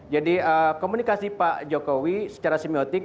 jadi komunikasi pak jokowi secara semiotik